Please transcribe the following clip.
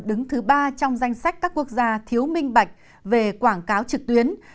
đứng thứ ba trong danh sách các quốc gia thiếu minh bạch về quảng cáo trực tuyến